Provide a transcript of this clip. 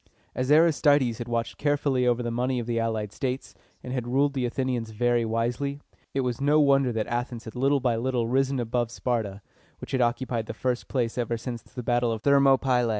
As Aristides had watched carefully over the money of the allied states, and had ruled the Athenians very wisely, it is no wonder that Athens had little by little risen above Sparta, which had occupied the first place ever since the battle of Thermopylæ.